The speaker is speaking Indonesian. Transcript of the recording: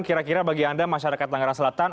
kira kira bagi anda masyarakat tangerang selatan